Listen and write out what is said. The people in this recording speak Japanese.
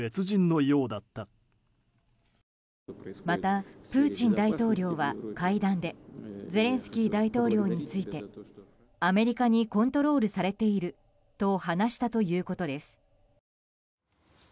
またプーチン大統領は、会談でゼレンスキー大統領についてアメリカにコントロールされていると話したということです。